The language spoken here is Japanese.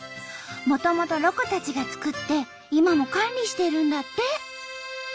もともとロコたちが作って今も管理してるんだって！